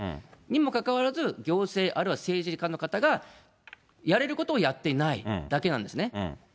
にもかかわらず、行政あるいは政治家の方々がやれることをやっていないだけなんですね。